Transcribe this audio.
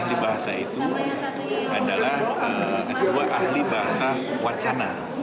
ini tidak kompeten